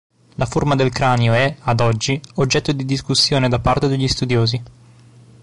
La forma del cranio è, ad oggi, oggetto di discussione da parte degli studiosi.